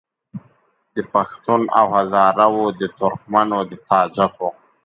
د پښتون او هزاره وو د ترکمنو د تاجکو